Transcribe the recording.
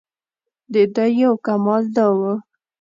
دده یو کمال دا و.